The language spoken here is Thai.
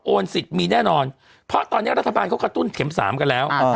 สิทธิ์มีแน่นอนเพราะตอนนี้รัฐบาลเขากระตุ้นเข็ม๓กันแล้ว